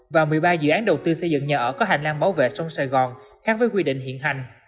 và một mươi ba dự án đầu tư xây dựng nhà ở có hành lang bảo vệ sông sài gòn khác với quy định hiện hành